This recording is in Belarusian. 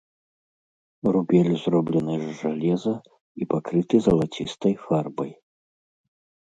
Рубель зроблены з жалеза і пакрыты залацістай фарбай.